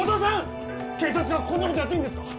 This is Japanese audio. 警察がこんなことやっていいんですか！？